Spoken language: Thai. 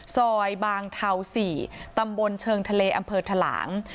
ซอยบางเทา๔ตำบลเชิงทะเลอำเภอทะหลาง